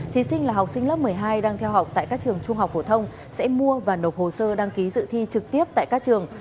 thí sinh là học sinh lớp một mươi hai đang theo học tại các trường trung học phổ thông sẽ mua và nộp hồ sơ đăng ký dự thi trực tiếp tại các trường